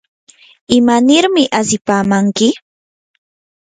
¿imanirmi asipamanki?